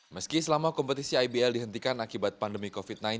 meski selama kompetisi ibl dihentikan akibat pandemi covid sembilan belas